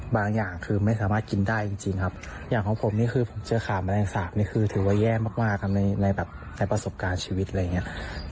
อย่างคือไม่สามารถกินได้จริงครับอย่างของผมนี่คือผมเจอขาแมลงสาปนี่คือถือว่าแย่มากครับในแบบแต่ประสบการณ์ชีวิตอะไรอย่างนี้